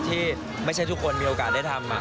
ที่ไม่ใช่ทุกคนมีโอกาสได้ทำ